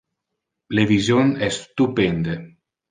Le vision es stupende.